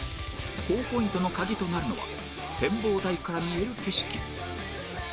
高ポイントの鍵となるのは展望台から見える景色